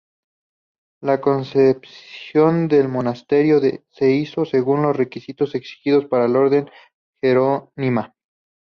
La concepción del monasterio se hizo según los requisitos exigidos por la Orden Jerónima.